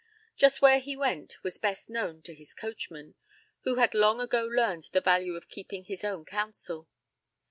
Just where he went was best known to his coachman, who had long ago learned the value of keeping his own counsel.